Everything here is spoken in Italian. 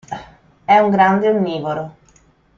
È un grande onnivoro.